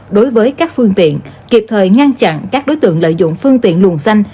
đối với các phương tiện kịp thời ngăn chặn các đối tượng lợi dụng phương tiện luồng xanh